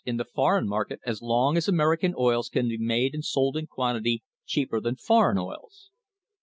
CONCLUSION in the foreign market as long as American oils can be made and sold in quantity cheaper than foreign oils.